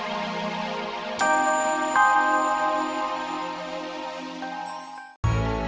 kota beri kekuatan